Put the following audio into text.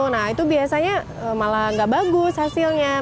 nah itu biasanya malah gak bagus hasilnya